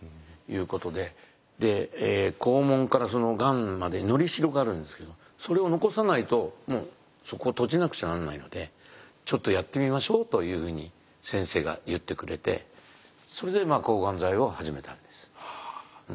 で肛門からがんまでのりしろがあるんですけどそれを残さないともうそこを閉じなくちゃなんないのでちょっとやってみましょうというふうに先生が言ってくれてそれで抗がん剤を始めたんです。